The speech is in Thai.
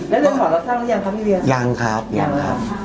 แล้วเรียนหอเราสร้างแล้วยังครับพี่เรียน